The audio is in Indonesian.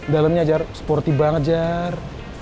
dalamnya jar sporty banget jar